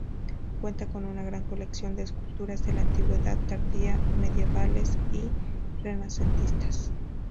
Cuenta con una gran colección de esculturas de la antigüedad tardía, medievales y renacentistas.